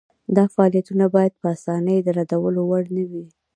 دا فعالیتونه باید په اسانۍ د ردولو وړ نه وي.